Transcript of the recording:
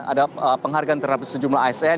ada penghargaan terhadap sejumlah asn